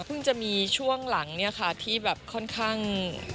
จะมีช่วงหลังเนี่ยค่ะที่แบบค่อนข้าง